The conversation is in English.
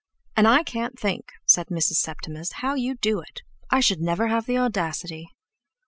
"And I can't think," said Mrs. Septimus, "how you do it. I should never have the audacity!"